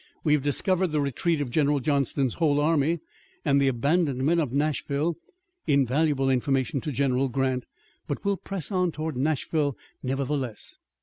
"We have discovered the retreat of General Johnston's whole army, and the abandonment of Nashville, invaluable information to General Grant. But we'll press on toward Nashville nevertheless."